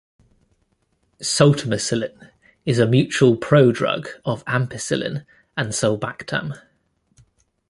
Sultamicillin is a mutual prodrug of ampicillin and sulbactam.